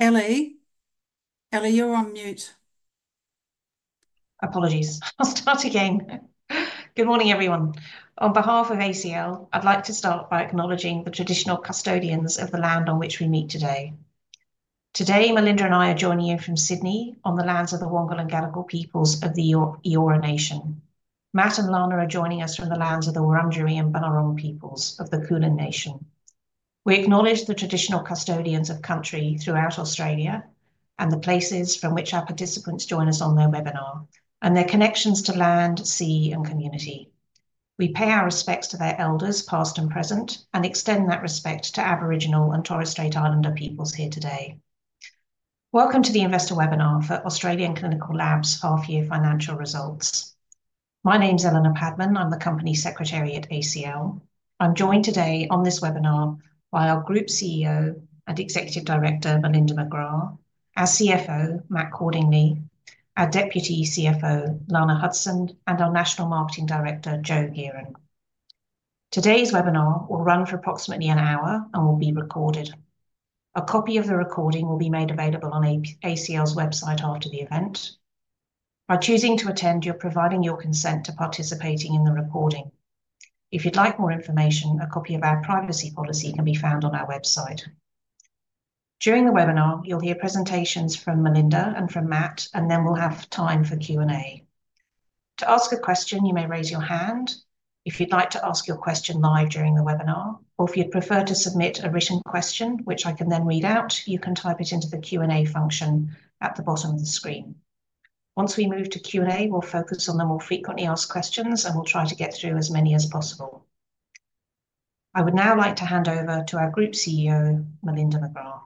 Ellie, Ellie, you're on mute. Apologies. I'll start again. Good morning, everyone. On behalf of ACL, I'd like to start by acknowledging the traditional custodians of the land on which we meet today. Today, Melinda and I are joining you from Sydney on the lands of the Wangal and Gadigal peoples of the Eora Nation. Matt and Lana are joining us from the lands of the Wurundjeri and Bunurong peoples of the Kulin Nation. We acknowledge the traditional custodians of country throughout Australia and the places from which our participants join us on their webinar and their connections to land, sea, and community. We pay our respects to their elders, past and present, and extend that respect to Aboriginal and Torres Strait Islander peoples here today. Welcome to the Investor Webinar for Australian Clinical Labs half-year financial results. My name's Eleanor Padman. I'm the Company Secretary at ACL. I'm joined today on this webinar by our Group CEO and Executive Director, Melinda McGrath, our CFO, Matt Cordingley, our Deputy CFO, Lana Hudson, and our National Marketing Director, Joe Geran. Today's webinar will run for approximately an hour and will be recorded. A copy of the recording will be made available on ACL's website after the event. By choosing to attend, you're providing your consent to participating in the recording. If you'd like more information, a copy of our privacy policy can be found on our website. During the webinar, you'll hear presentations from Melinda and from Matt, and then we'll have time for Q&A. To ask a question, you may raise your hand. If you'd like to ask your question live during the webinar, or if you'd prefer to submit a written question, which I can then read out, you can type it into the Q&A function at the bottom of the screen. Once we move to Q&A, we'll focus on the more frequently asked questions, and we'll try to get through as many as possible. I would now like to hand over to our Group CEO, Melinda McGrath.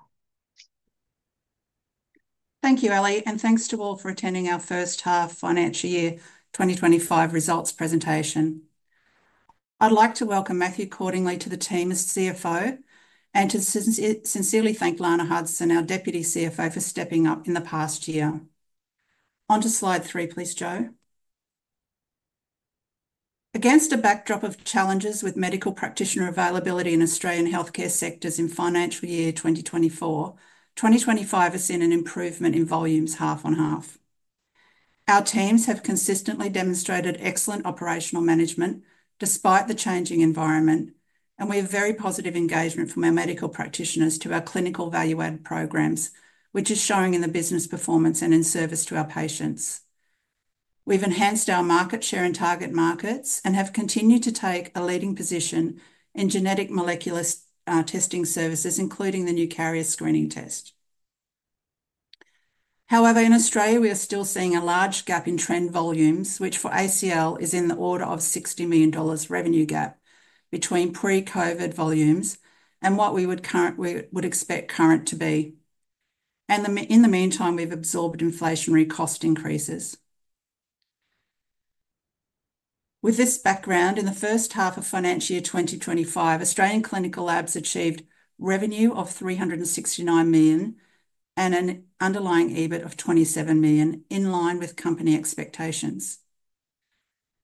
Thank you, Ellie, and thanks to all for attending our first half financial year 2025 results presentation. I'd like to welcome Matthew Cordingley to the team as CFO and to sincerely thank Lana Hudson, our Deputy CFO, for stepping up in the past year. On to slide three, please, Joe. Against a backdrop of challenges with medical practitioner availability in Australian healthcare sectors in financial year 2024, 2025 has seen an improvement in volumes half on half. Our teams have consistently demonstrated excellent operational management despite the changing environment, and we have very positive engagement from our medical practitioners to our clinical value-added programs, which is showing in the business performance and in service to our patients. We've enhanced our market share in target markets and have continued to take a leading position in genetic molecular testing services, including the new carrier screening test. However, in Australia, we are still seeing a large gap in trend volumes, which for ACL is in the order of AUD 60 million revenue gap between pre-COVID volumes and what we would expect current to be, and in the meantime, we've absorbed inflationary cost increases. With this background, in the first half of financial year 2025, Australian Clinical Labs achieved revenue of 369 million and an underlying EBIT of 27 million in line with company expectations.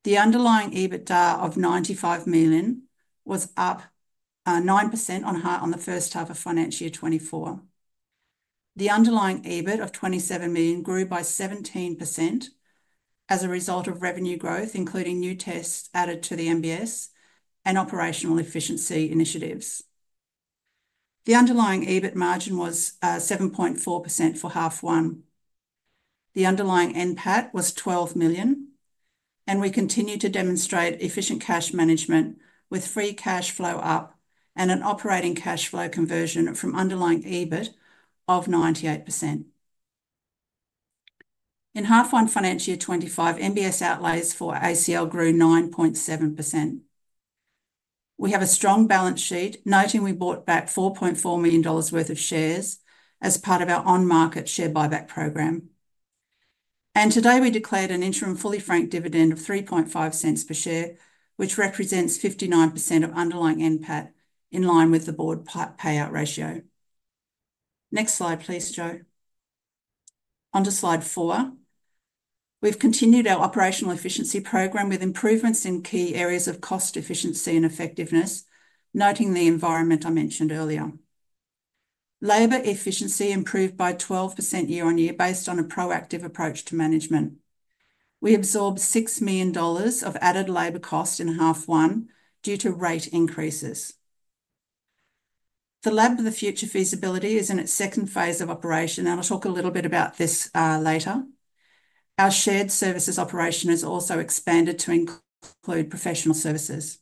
The underlying EBIT of 95 million was up 9% on the first half of financial year 2024. The underlying EBIT of 27 million grew by 17% as a result of revenue growth, including new tests added to the MBS and operational efficiency initiatives. The underlying EBIT margin was 7.4% for half one. The underlying NPAT was 12 million, and we continue to demonstrate efficient cash management with free cash flow up and an operating cash flow conversion from underlying EBIT of 98%. In half one financial year 2025, MBS outlays for ACL grew 9.7%. We have a strong balance sheet, noting we bought back 4.4 million dollars worth of shares as part of our on-market share buyback program, and today we declared an interim fully franked dividend of 3.50 per share, which represents 59% of underlying NPAT in line with the Board payout ratio. Next slide, please, Joe. On to slide four. We've continued our operational efficiency program with improvements in key areas of cost efficiency and effectiveness, noting the environment I mentioned earlier. Labor efficiency improved by 12% year on year based on a proactive approach to management. We absorbed 6 million dollars of added labor cost in half one due to rate increases. The Lab of the Future feasibility is in its second phase of operation, and I'll talk a little bit about this later. Our shared services operation has also expanded to include professional services.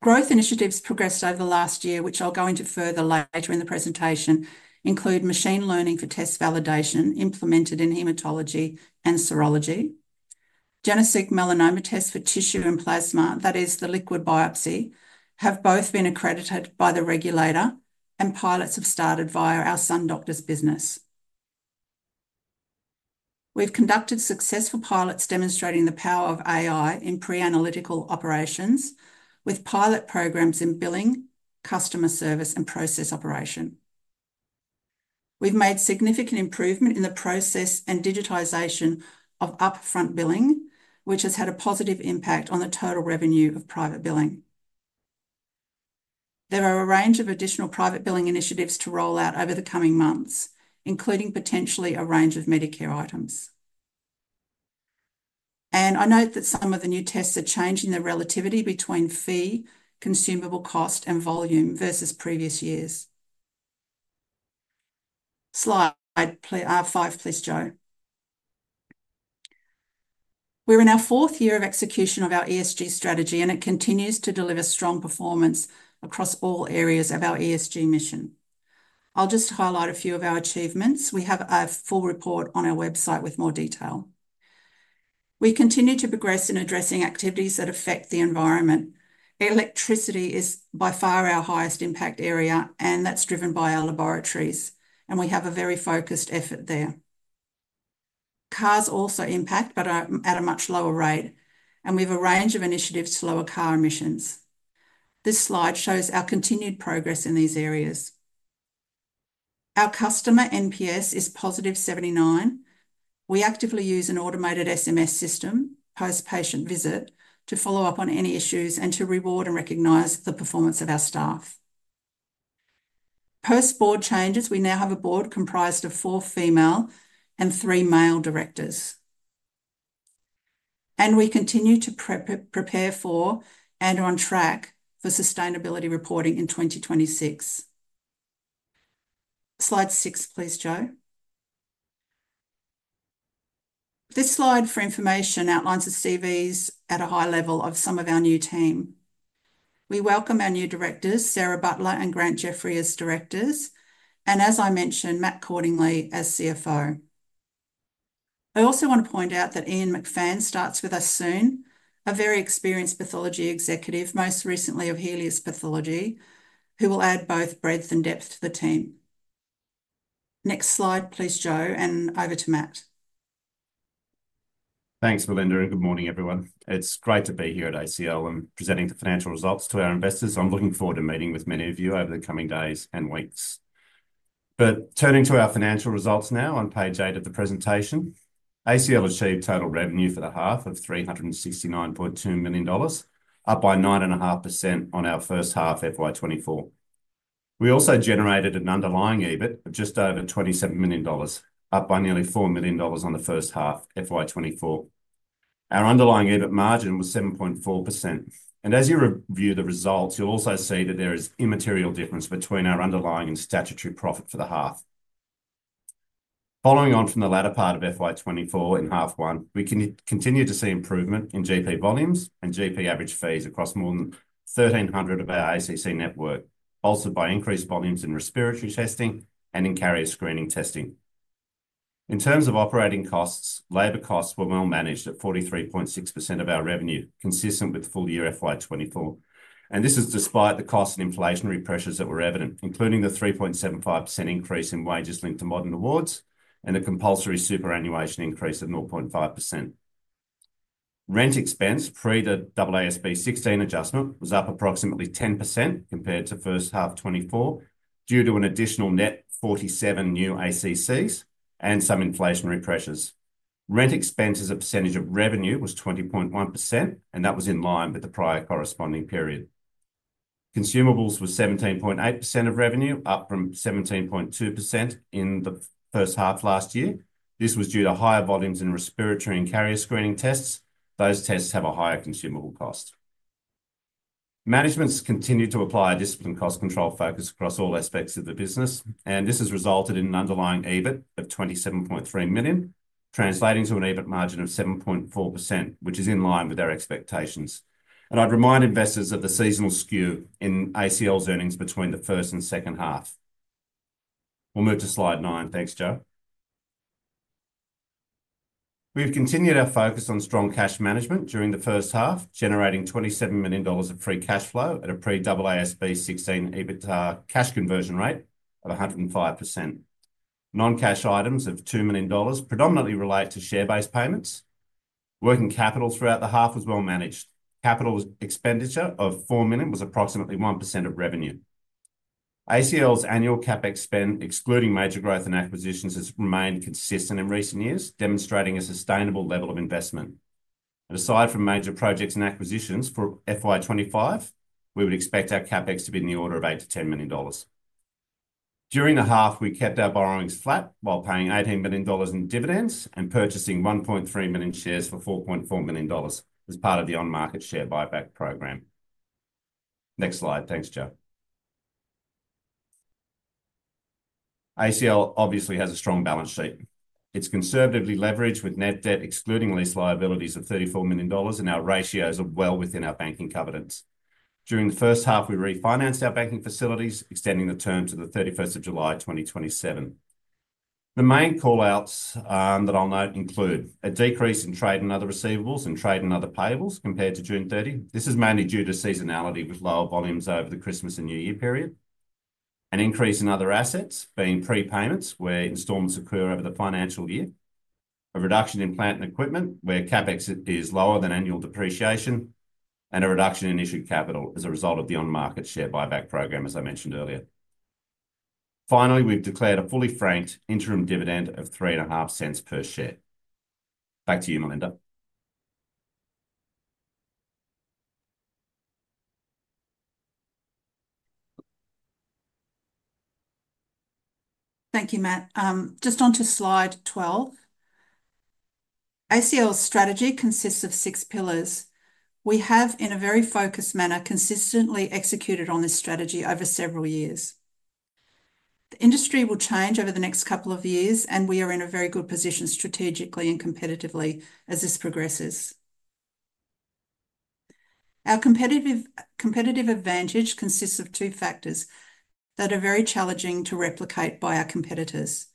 Growth initiatives progressed over the last year, which I'll go into further later in the presentation, include machine learning for test validation implemented in hematology and serology. Genetic melanoma tests for tissue and plasma, that is, the liquid biopsy, have both been accredited by the regulator, and pilots have started via our SunDoctors business. We've conducted successful pilots demonstrating the power of AI in pre-analytical operations with pilot programs in billing, customer service, and process operation. We've made significant improvement in the process and digitization of upfront billing, which has had a positive impact on the total revenue of private billing. There are a range of additional private billing initiatives to roll out over the coming months, including potentially a range of Medicare items, and I note that some of the new tests are changing the relativity between fee, consumable cost, and volume versus previous years. Slide five, please, Joe. We're in our fourth year of execution of our ESG strategy, and it continues to deliver strong performance across all areas of our ESG mission. I'll just highlight a few of our achievements. We have a full report on our website with more detail. We continue to progress in addressing activities that affect the environment. Electricity is by far our highest impact area, and that's driven by our laboratories, and we have a very focused effort there. Cars also impact, but at a much lower rate, and we have a range of initiatives to lower car emissions. This slide shows our continued progress in these areas. Our customer NPS is positive 79. We actively use an automated SMS system, post-patient visit, to follow up on any issues and to reward and recognize the performance of our staff. Post-Board changes, we now have a Board comprised of four female and three male directors, and we continue to prepare for and are on track for sustainability reporting in 2026. Slide six, please, Joe. This slide for information outlines the CVs at a high level of some of our new team. We welcome our new directors, Sarah Butler and Grant Jeffrey as directors, and as I mentioned, Matt Cordingley as CFO. I also want to point out that Ian McPhan starts with us soon, a very experienced pathology executive, most recently of Healius Pathology, who will add both breadth and depth to the team. Next slide, please, Joe, and over to Matt. Thanks, Melinda, and good morning, everyone. It's great to be here at ACL and presenting the financial results to our investors. I'm looking forward to meeting with many of you over the coming days and weeks, but turning to our financial results now on page eight of the presentation, ACL achieved total revenue for the half of 369.2 million dollars, up by 9.5% on our first half FY24. We also generated an underlying EBIT of just over AUD 27 million, up by nearly AUD 4 million on the first half FY24. Our underlying EBIT margin was 7.4%, and as you review the results, you'll also see that there is immaterial difference between our underlying and statutory profit for the half. Following on from the latter part of FY24 in half one, we can continue to see improvement in GP volumes and GP average fees across more than 1,300 of our ACC network, also by increased volumes in respiratory testing and in carrier screening testing. In terms of operating costs, labor costs were well managed at 43.6% of our revenue, consistent with full year FY24. And this is despite the cost and inflationary pressures that were evident, including the 3.75% increase in wages linked to modern awards and the compulsory superannuation increase of 0.5%. Rent expense pre the AASB 16 adjustment was up approximately 10% compared to first half 2024 due to an additional net 47 new ACCs and some inflationary pressures. Rent expense as a percentage of revenue was 20.1%, and that was in line with the prior corresponding period. Consumables were 17.8% of revenue, up from 17.2% in the first half last year. This was due to higher volumes in respiratory and carrier screening tests. Those tests have a higher consumable cost. Management has continued to apply a discipline cost control focus across all aspects of the business, and this has resulted in an underlying EBIT of 27.3 million, translating to an EBIT margin of 7.4%, which is in line with our expectations, and I'd remind investors of the seasonal skew in ACL's earnings between the first and second half. We'll move to slide nine. Thanks, Joe. We've continued our focus on strong cash management during the first half, generating 27 million dollars of free cash flow at a pre-AASB 16 EBIT cash conversion rate of 105%. Non-cash items of 2 million dollars predominantly relate to share-based payments. Working capital throughout the half was well managed. Capital expenditure of 4 million was approximately 1% of revenue. ACL's annual CapEx spend, excluding major growth and acquisitions, has remained consistent in recent years, demonstrating a sustainable level of investment. And aside from major projects and acquisitions for FY25, we would expect our CapEx to be in the order of 8-10 million dollars. During the half, we kept our borrowings flat while paying 18 million dollars in dividends and purchasing 1.3 million shares for 4.4 million dollars as part of the on-market share buyback program. Next slide. Thanks, Joe. ACL obviously has a strong balance sheet. It's conservatively leveraged with net debt excluding lease liabilities of 34 million dollars, and our ratios are well within our banking covenants. During the first half, we refinanced our banking facilities, extending the term to the 31st of July 2027. The main callouts that I'll note include a decrease in trade and other receivables and trade and other payables compared to June 30. This is mainly due to seasonality with lower volumes over the Christmas and New Year period. An increase in other assets being prepayments where installments occur over the financial year. A reduction in plant and equipment where CapEx is lower than annual depreciation, and a reduction in issued capital as a result of the on-market share buyback program, as I mentioned earlier. Finally, we've declared a fully franked interim dividend of 3.50 per share. Back to you, Melinda. Thank you, Matt. Just on to slide 12. ACL's strategy consists of six pillars. We have, in a very focused manner, consistently executed on this strategy over several years. The industry will change over the next couple of years, and we are in a very good position strategically and competitively as this progresses. Our competitive advantage consists of two factors that are very challenging to replicate by our competitors.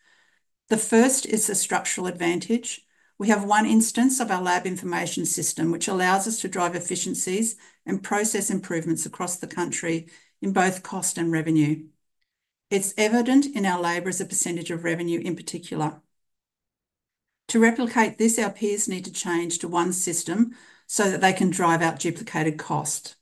The first is a structural advantage. We have one instance of our lab information system, which allows us to drive efficiencies and process improvements across the country in both cost and revenue. It's evident in our labor as a percentage of revenue in particular. To replicate this, our peers need to change to one system so that they can drive out duplicated cost.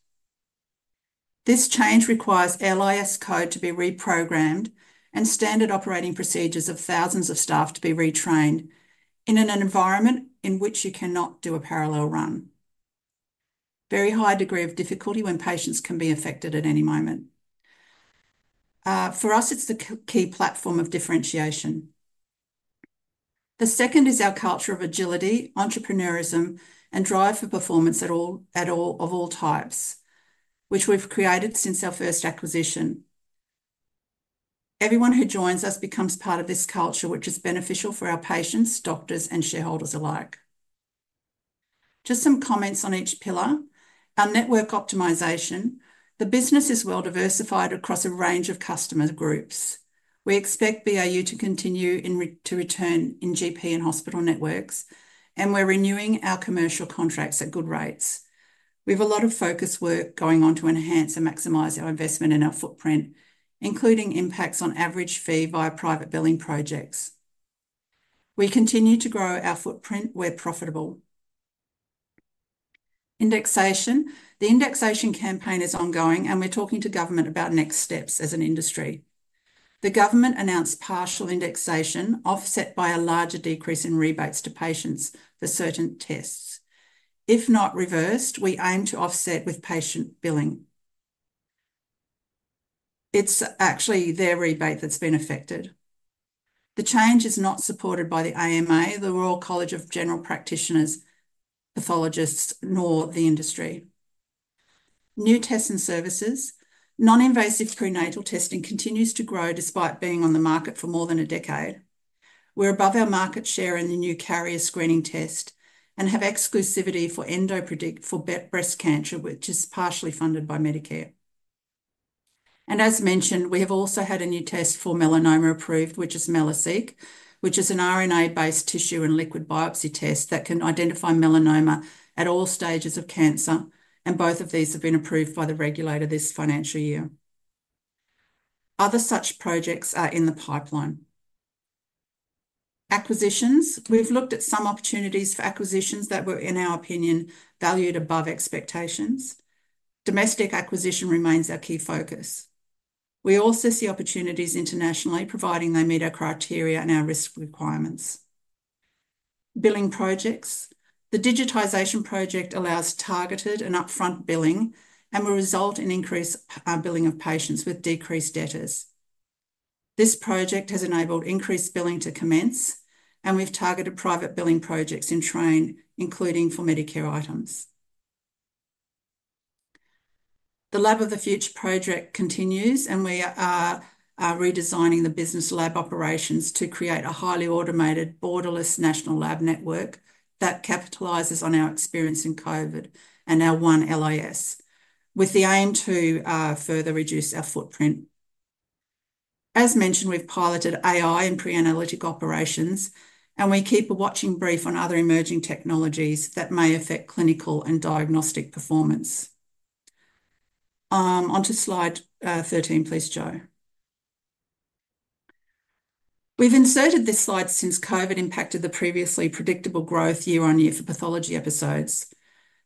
This change requires LIS code to be reprogrammed and standard operating procedures of thousands of staff to be retrained in an environment in which you cannot do a parallel run. Very high degree of difficulty when patients can be affected at any moment. For us, it's the key platform of differentiation. The second is our culture of agility, entrepreneurism, and drive for performance at all of all types, which we've created since our first acquisition. Everyone who joins us becomes part of this culture, which is beneficial for our patients, doctors, and shareholders alike. Just some comments on each pillar. Our network optimization. The business is well diversified across a range of customer groups. We expect BAU to continue to return in GP and hospital networks, and we're renewing our commercial contracts at good rates. We have a lot of focus work going on to enhance and maximize our investment and our footprint, including impacts on average fee via private billing projects. We continue to grow our footprint where profitable. Indexation. The indexation campaign is ongoing, and we're talking to government about next steps as an industry. The government announced partial indexation offset by a larger decrease in rebates to patients for certain tests. If not reversed, we aim to offset with patient billing. It's actually their rebate that's been affected. The change is not supported by the AMA, the Royal College of General Practitioners, pathologists, nor the industry. New tests and services. Non-invasive prenatal testing continues to grow despite being on the market for more than a decade. We're above our market share in the new carrier screening test and have exclusivity for EndoPredict for breast cancer, which is partially funded by Medicare. As mentioned, we have also had a new test for melanoma approved, which is Melaseq, which is an RNA-based tissue and liquid biopsy test that can identify melanoma at all stages of cancer. Both of these have been approved by the regulator this financial year. Other such projects are in the pipeline. Acquisitions. We've looked at some opportunities for acquisitions that were, in our opinion, valued above expectations. Domestic acquisition remains our key focus. We also see opportunities internationally providing they meet our criteria and our risk requirements. Billing projects. The digitization project allows targeted and upfront billing and will result in increased billing of patients with decreased debtors. This project has enabled increased billing to commence, and we've targeted private billing projects in train, including for Medicare items. The Lab of the Future project continues, and we are redesigning the business lab operations to create a highly automated, borderless national lab network that capitalizes on our experience in COVID and our one LIS with the aim to further reduce our footprint. As mentioned, we've piloted AI and pre-analytic operations, and we keep a watching brief on other emerging technologies that may affect clinical and diagnostic performance. On to slide 13, please, Joe. We've inserted this slide since COVID impacted the previously predictable growth year on year for pathology episodes.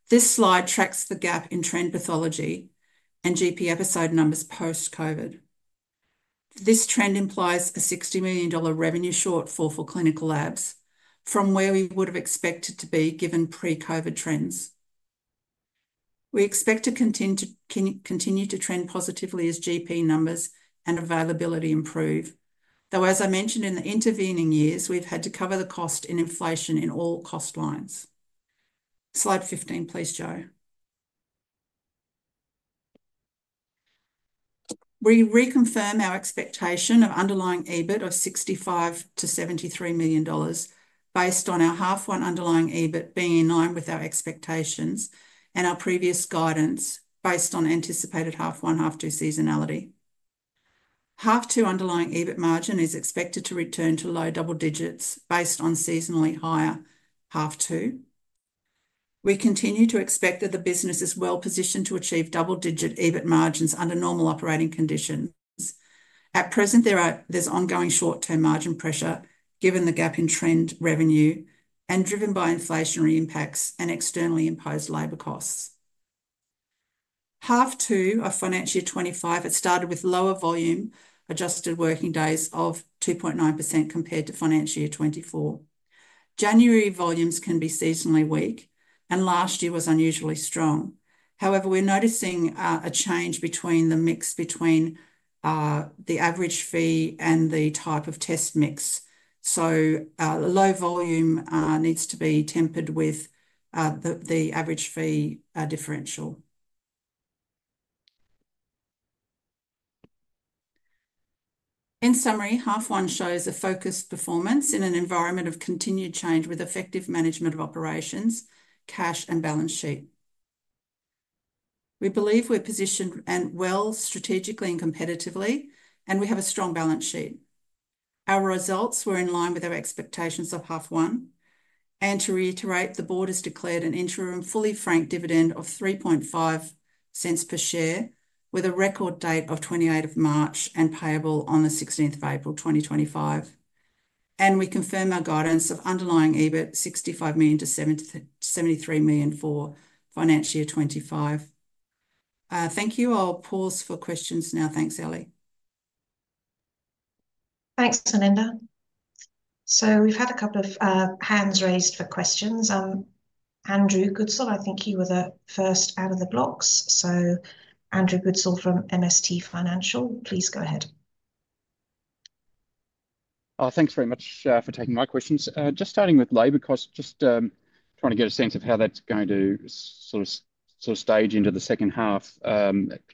This slide tracks the gap in trend pathology and GP episode numbers post-COVID. This trend implies a 60 million dollar revenue shortfall for clinical labs from where we would have expected to be given pre-COVID trends. We expect to continue to trend positively as GP numbers and availability improve. Though, as I mentioned in the intervening years, we've had to cover the cost in inflation in all cost lines. Slide 15, please, Joe. We reconfirm our expectation of underlying EBIT of 65-73 million dollars based on our half one underlying EBIT being in line with our expectations and our previous guidance based on anticipated half one, half two seasonality. Half two underlying EBIT margin is expected to return to low double digits based on seasonally higher half two. We continue to expect that the business is well positioned to achieve double-digit EBIT margins under normal operating conditions. At present, there's ongoing short-term margin pressure given the gap in trend revenue and driven by inflationary impacts and externally imposed labor costs. Half two of financial year 2025 had started with lower volume adjusted working days of 2.9% compared to financial year 2024. January volumes can be seasonally weak, and last year was unusually strong. However, we're noticing a change between the mix between the average fee and the type of test mix. So low volume needs to be tempered with the average fee differential. In summary, half one shows a focused performance in an environment of continued change with effective management of operations, cash, and balance sheet. We believe we're positioned well strategically and competitively, and we have a strong balance sheet. Our results were in line with our expectations of half one. To reiterate, the Board has declared an interim fully franked dividend of 3.50 per share with a record date of 28th of March and payable on the 16th of April 2025. We confirm our guidance of underlying EBIT 65 million-73 million for financial year 2025. Thank you. I'll pause for questions now. Thanks, Ellie. Thanks, Melinda. So we've had a couple of hands raised for questions. Andrew Goodsall, I think you were the first out of the blocks. So Andrew Goodsall from MST Financial, please go ahead. Thanks very much for taking my questions. Just starting with labor costs, just trying to get a sense of how that's going to sort of stage into the second half.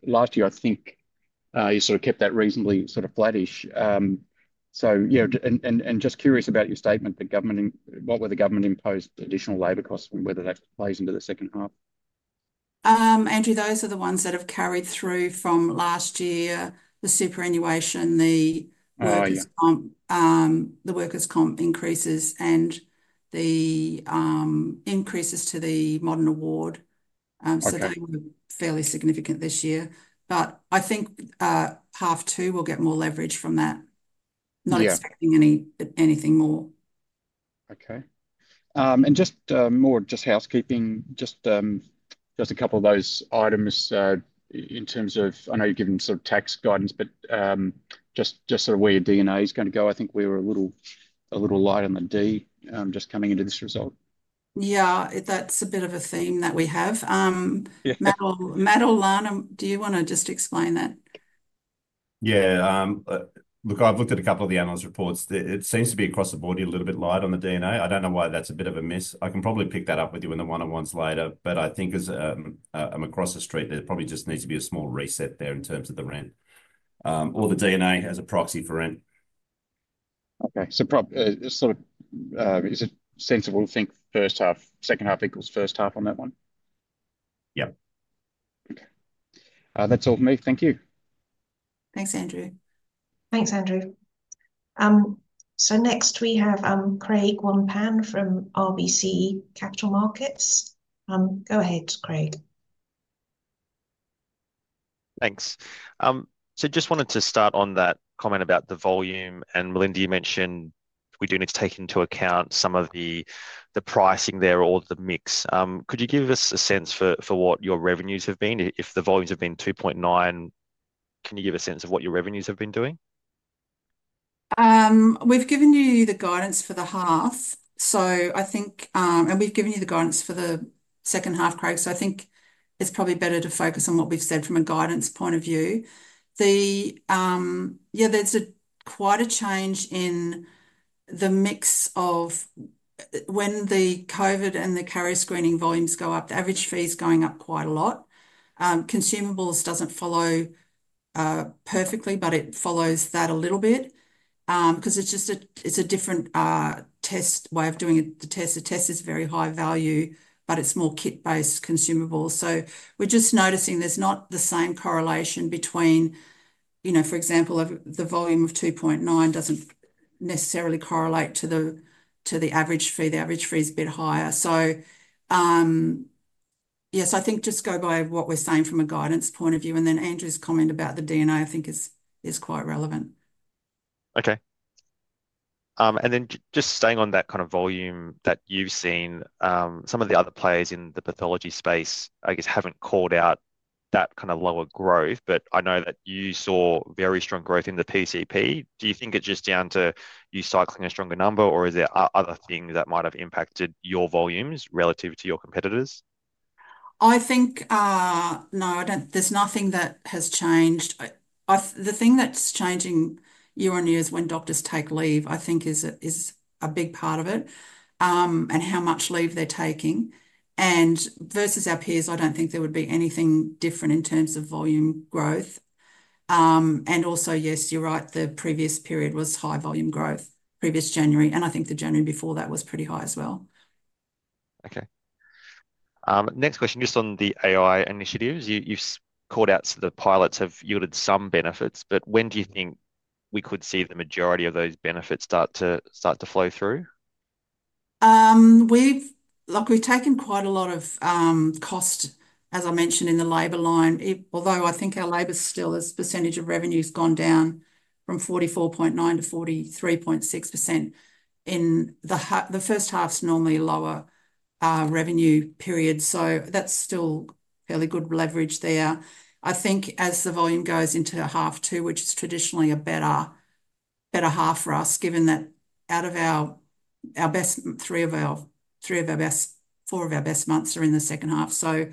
Last year, I think you sort of kept that reasonably sort of flattish. So yeah, and just curious about your statement, what were the government-imposed additional labor costs and whether that plays into the second half? Andrew, those are the ones that have carried through from last year, the superannuation, the workers' comp increases, and the increases to the modern award. So they were fairly significant this year. But I think half two will get more leverage from that. Not expecting anything more. Okay. And just more housekeeping, just a couple of those items in terms of, I know you've given sort of tax guidance, but just sort of where your D&A is going to go. I think we were a little light on the D&A just coming into this result. Yeah, that's a bit of a theme that we have. Matt or Lana, do you want to just explain that? Yeah. Look, I've looked at a couple of the analyst reports. It seems to be across the board a little bit light on the D&A. I don't know why that's a bit of a miss. I can probably pick that up with you in the one-on-ones later. But I think as I'm across the street, there probably just needs to be a small reset there in terms of the rent or the D&A as a proxy for rent. Okay. So sort of is it sensible to think first half, second half equals first half on that one? Yep. Okay. That's all from me. Thank you. Thanks, Andrew. Thanks, Andrew. So next we have Craig Wong-Pan from RBC Capital Markets. Go ahead, Craig. Thanks. So just wanted to start on that comment about the volume. And Melinda, you mentioned we do need to take into account some of the pricing there or the mix. Could you give us a sense for what your revenues have been? If the volumes have been 2.9, can you give a sense of what your revenues have been doing? We've given you the guidance for the half. So I think, and we've given you the guidance for the second half, Craig. So I think it's probably better to focus on what we've said from a guidance point of view. Yeah, there's quite a change in the mix of when the COVID and the carrier screening volumes go up, the average fee is going up quite a lot. Consumables doesn't follow perfectly, but it follows that a little bit because it's a different test way of doing it. The test is very high value, but it's more kit-based consumables. So we're just noticing there's not the same correlation between, for example, the volume of 2.9 doesn't necessarily correlate to the average fee. The average fee is a bit higher. So yes, I think just go by what we're saying from a guidance point of view. And then Andrew's comment about the D&A, I think, is quite relevant. Okay. And then just staying on that kind of volume that you've seen, some of the other players in the pathology space, I guess, haven't called out that kind of lower growth. But I know that you saw very strong growth in the PCP. Do you think it's just down to you cycling a stronger number, or is there other things that might have impacted your volumes relative to your competitors? I think no, there's nothing that has changed. The thing that's changing year on year is when doctors take leave, I think, is a big part of it and how much leave they're taking. And versus our peers, I don't think there would be anything different in terms of volume growth. And also, yes, you're right, the previous period was high volume growth, previous January. And I think the January before that was pretty high as well. Okay. Next question, just on the AI initiatives. You've called out the pilots have yielded some benefits, but when do you think we could see the majority of those benefits start to flow through? We've taken quite a lot of cost, as I mentioned, in the labor line, although I think our labor still, this percentage of revenue has gone down from 44.9% to 43.6% in the first half's normally lower revenue period. So that's still fairly good leverage there. I think as the volume goes into half two, which is traditionally a better half for us, given that three of our four best months are in the second half. So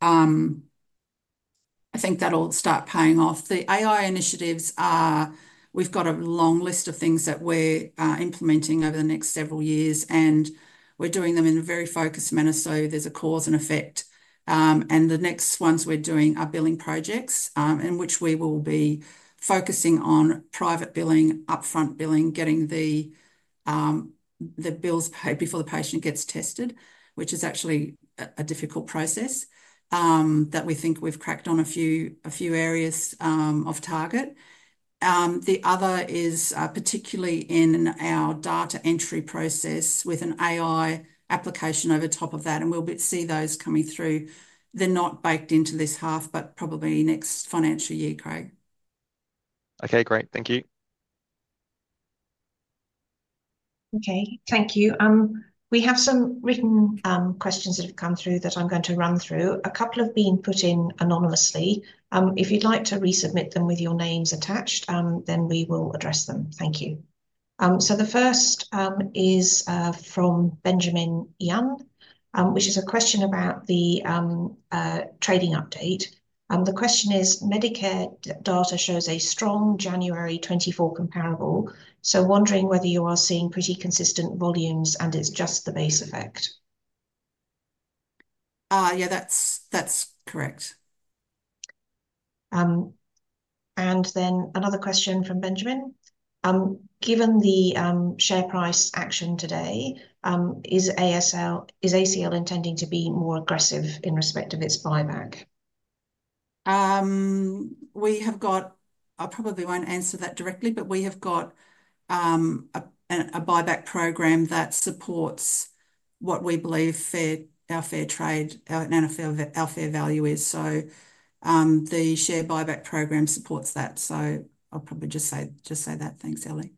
I think that'll start paying off. The AI initiatives, we've got a long list of things that we're implementing over the next several years, and we're doing them in a very focused manner. So there's a cause and effect. The next ones we're doing are billing projects in which we will be focusing on private billing, upfront billing, getting the bills paid before the patient gets tested, which is actually a difficult process that we think we've cracked on a few areas of target. The other is particularly in our data entry process with an AI application over top of that. We'll see those coming through. They're not baked into this half, but probably next financial year, Craig. Okay, great. Thank you. Okay, thank you. We have some written questions that have come through that I'm going to run through. A couple have been put in anonymously. If you'd like to resubmit them with your names attached, then we will address them. Thank you. So the first is from Benjamin Yan, which is a question about the trading update. The question is, Medicare data shows a strong January 2024 comparable, so wondering whether you are seeing pretty consistent volumes and it's just the base effect. Yeah, that's correct. And then another question from Benjamin. Given the share price action today, is ACL intending to be more aggressive in respect of its buyback? We have got. I probably won't answer that directly, but we have got a buyback program that supports what we believe our fair trade, our fair value is. So the share buyback program supports that. So I'll probably just say that. Thanks, Ellie.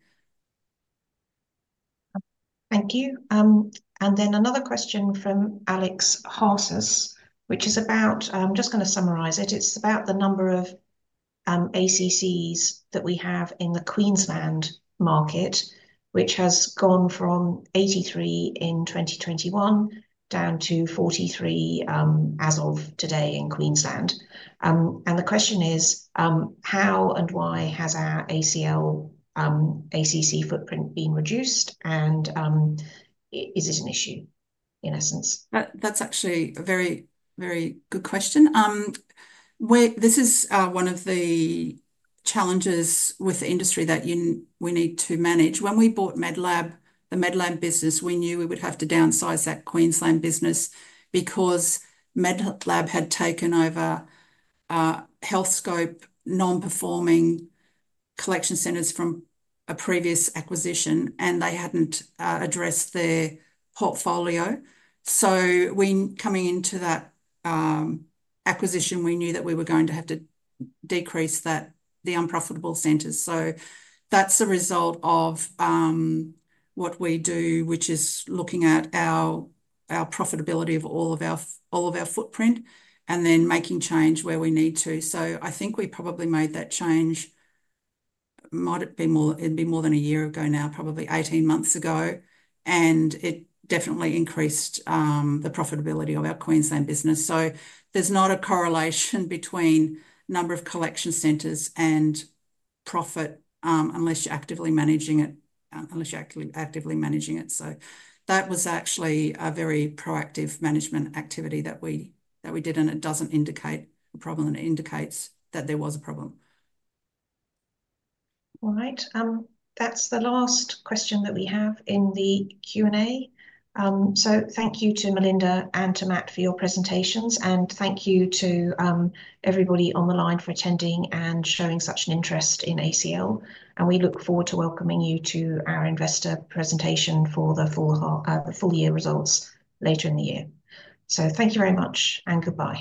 Thank you. And then another question from Alex Vrossis, which is about. I'm just going to summarize it. It's about the number of ACCs that we have in the Queensland market, which has gone from 83 in 2021 down to 43 as of today in Queensland. And the question is, how and why has our ACL ACC footprint been reduced? And is it an issue in essence? That's actually a very, very good question. This is one of the challenges with the industry that we need to manage. When we bought Medlab, the Medlab business, we knew we would have to downsize that Queensland business because Medlab had taken over Healthscope non-performing collection centers from a previous acquisition, and they hadn't addressed their portfolio, so coming into that acquisition, we knew that we were going to have to decrease the unprofitable centers. That's the result of what we do, which is looking at our profitability of all of our footprint and then making change where we need to, so I think we probably made that change. It'd be more than a year ago now, probably 18 months ago, and it definitely increased the profitability of our Queensland business. There's not a correlation between number of collection centers and profit unless you're actively managing it, unless you're actively managing it. That was actually a very proactive management activity that we did. It doesn't indicate a problem. It indicates that there was a problem. All right. That's the last question that we have in the Q&A, so thank you to Melinda and to Matt for your presentations, and thank you to everybody on the line for attending and showing such an interest in ACL, and we look forward to welcoming you to our investor presentation for the full year results later in the year, so thank you very much and goodbye.